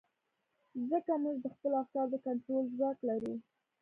ځکه موږ د خپلو افکارو د کنټرول ځواک لرو.